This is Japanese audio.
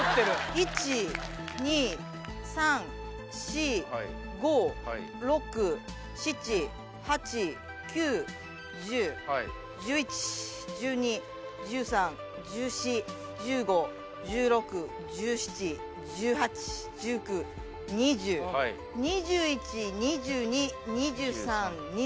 １・２・３・４５・６・７・８９・１０・１１・１２１３・１４・１５・１６１７・１８・１９・２０２１・２２・２３・２４。